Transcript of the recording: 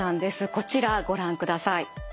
こちらご覧ください。